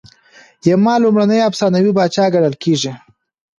یما لومړنی افسانوي پاچا ګڼل کیږي